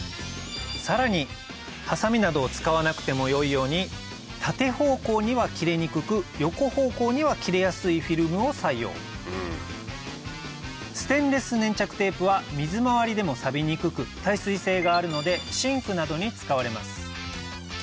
さらにハサミなどを使わなくてもよいように縦方向には切れにくく横方向には切れやすいフィルムを採用ステンレス粘着テープは水回りでもさびにくく耐水性があるのでシンクなどに使われます